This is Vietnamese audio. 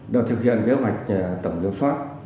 đợt thực hiện kế hoạch tổng kiểm soát